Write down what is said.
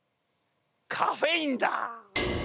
カフェインだ！